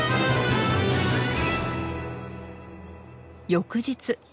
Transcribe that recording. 翌日。